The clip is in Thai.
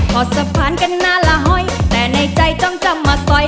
พอสะพานกันนานละห้อยแต่ในใจจ้องจำมาซอย